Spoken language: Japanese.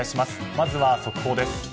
まずは速報です。